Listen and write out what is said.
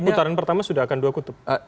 putaran pertama sudah akan dua kutub